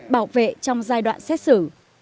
bảo vệ trong giai đoạn xét xử